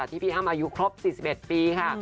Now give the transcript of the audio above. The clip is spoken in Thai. พี่อ้ำอายุครบ๔๑ปีค่ะ